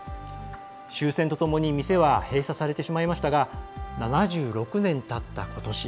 終戦とともに店は閉鎖されてしまいましたが７６年たったことし